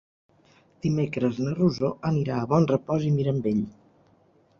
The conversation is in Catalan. Dimecres na Rosó anirà a Bonrepòs i Mirambell.